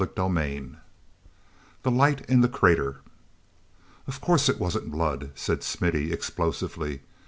CHAPTER IV The Light in the Crater f course it wasn't blood!" said Smithy explosively.